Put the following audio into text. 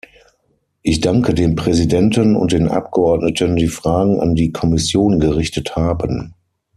Ich danke dem Präsidenten und den Abgeordneten, die Fragen an die Kommission gerichtet haben.